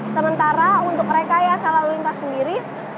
sementara untuk rekayasa lalu lintas sendiri